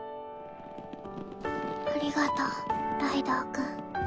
ありがとうライドウ君。